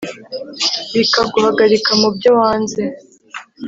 bikaguhagika mu byo wanze!